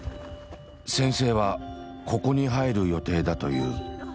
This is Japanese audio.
先生はここに入る予定だという。